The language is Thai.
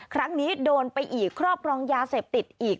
ครั้งนี้โดนไปอีกครอบครองยาเสพติดอีก